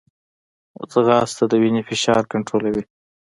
ځغاسته د وینې فشار کنټرولوي